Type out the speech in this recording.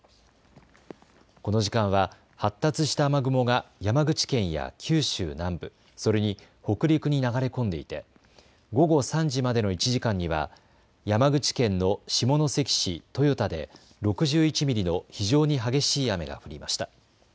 この時間は発達した雨雲が山口県や九州南部、それに北陸に流れ込んでいて午後３時までの１時間には山口県の下関市豊田で６１ミリの非常に激しい雨が降りました。